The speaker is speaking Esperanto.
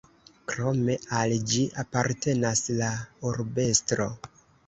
Krome al ĝi apartenas la urbestro.